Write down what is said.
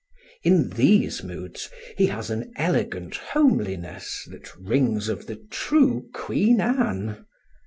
In these moods he has an elegant homeliness that rings of the true Queen Anne.